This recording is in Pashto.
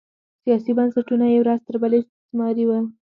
سیاسي بنسټونه یې ورځ تر بلې استثماري کول